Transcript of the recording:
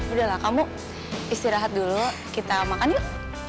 udah lah kamu istirahat dulu kita makan yuk